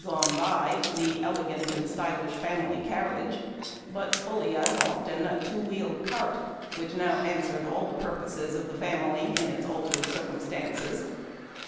gone by, the elegant and stylish family carriage, but fully as often into a two wheeled cart, which now answered all the purposes of the family in its altered circumstances.